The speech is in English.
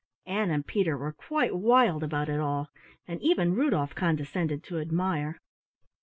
Ann and Peter were quite wild about it all, and even Rudolf condescended to admire.